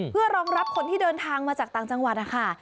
เพื่อรองรับคนที่เดินทางมาจากต่างจังหวัดนะคะ